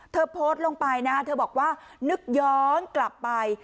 โพสต์ลงไปนะเธอบอกว่านึกย้อนกลับไป